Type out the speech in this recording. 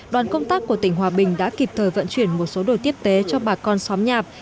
đoàn công tác của tỉnh hòa bình đã kịp thời vận chuyển một số đồ tiếp tế cho bà con xóm nhạp